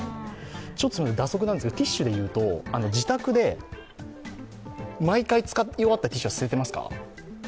蛇足なんですが、ティッシュでいうと、自宅で毎回使い終わったティッシュは捨てていますか？